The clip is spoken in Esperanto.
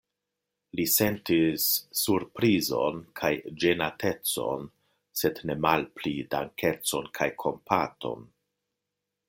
Li sentis surprizon kaj ĝenatecon, sed ne malpli dankecon kaj kompaton.